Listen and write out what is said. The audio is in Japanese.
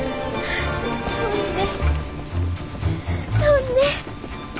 飛んで飛んで。